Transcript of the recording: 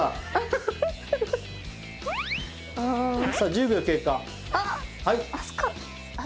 １０秒経過。